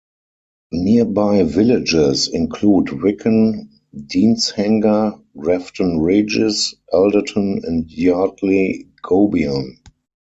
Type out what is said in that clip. Nearby villages include Wicken, Deanshanger, Grafton Regis, Alderton and Yardley Gobion.